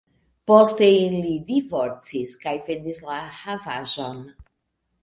Poste ili divorcis kaj vendis la havaĵon.